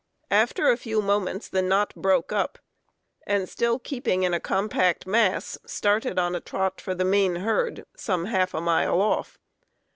After a few moments the knot broke up, and, still keeping in a compact mass, started on a trot for the main herd, some half a mile oft".